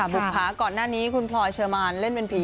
บุภาก่อนหน้านี้คุณพลอยเชอร์มานเล่นเป็นผี